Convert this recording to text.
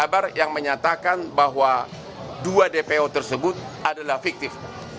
ada kabar yang menyatakan bahwa dua dpo tersebut adalah fiktif